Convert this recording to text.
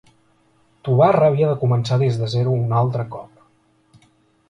Tobarra havia de començar des de zero un altre cop.